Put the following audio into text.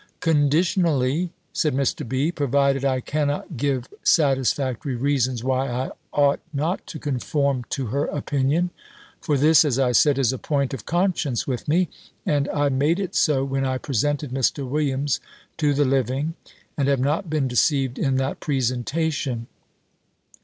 "Conditionally," said Mr. B., "provided I cannot give satisfactory reasons, why I ought not to conform to her opinion; for this, as I said, is a point of conscience with me; and I made it so, when I presented Mr. Williams to the living: and have not been deceived in that presentation."